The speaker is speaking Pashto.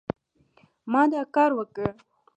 ما دا کار وکړ